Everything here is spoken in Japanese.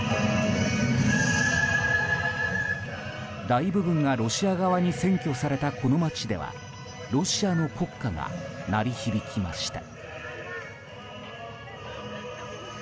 大部分がロシア側に占拠されたこの街ではロシアの国歌が鳴り響きました。